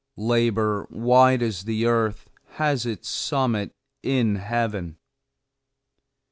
Labor, wide as the earth, has its summit in Heaven.